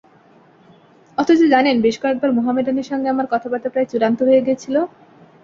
অথচ, জানেন, বেশ কয়েকবার মোহামেডানের সঙ্গে আমার কথাবার্তা প্রায় চূড়ান্ত হয়ে গিয়েছিল।